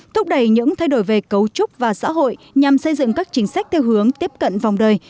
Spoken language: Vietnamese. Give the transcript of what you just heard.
thúc đẩy những thay đổi về cấu trúc và xã hội nhằm xây dựng các chính sách theo hướng tiếp cận vòng đời